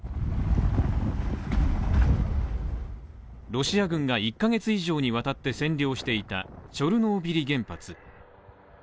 ロシア軍が１カ月以上にわたって占領していたチョルノービリ原発。